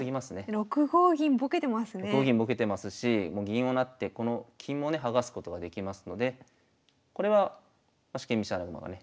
６五銀ぼけてますしもう銀を成ってこの金もね剥がすことができますのでこれは四間飛車穴熊がね